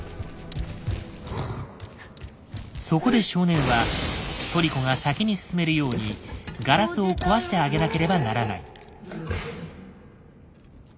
そこで少年はトリコが先に進めるようにガラスを壊してあげなければならない。